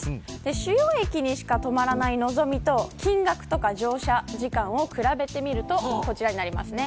主要駅にしか止まらないのぞみと金額や乗車時間を比べてみるとこちらです。